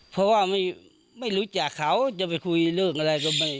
เพราะว่าไม่รู้จักเขาจะไปคุยเรื่องอะไรก็ไม่